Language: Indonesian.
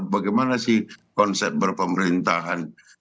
bagaimana sih konsep berpemerintahan